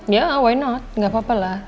ya why not gak apa apa lah